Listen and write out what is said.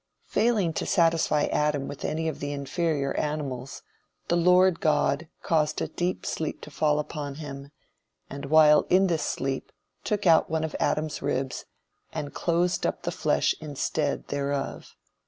Failing to satisfy Adam with any of the inferior animals, the Lord God caused a deep sleep to fall upon him, and while in this sleep took out one of Adam's ribs and "closed up the flesh instead thereof."